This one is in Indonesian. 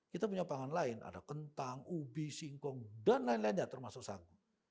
kita punya pangan lain ada kentang ubi singkong dan lain lainnya termasuk sagu